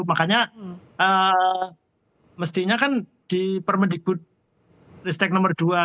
makanya mestinya kan di permendikbud listek no dua dua ribu dua puluh empat